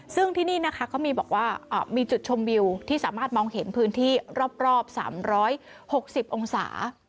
ซึ่งที่นี่นะคะเขามีบอกว่ามีจุดชมวิวที่สามารถมองเห็นพื้นที่รอบ๓๖๐องศา